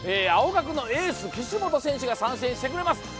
青学のエース、岸本選手が参戦してくれます。